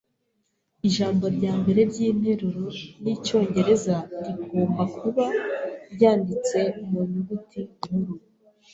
Ijambo ryambere ryinteruro yicyongereza rigomba kuba ryanditse mu nyuguti nkuru.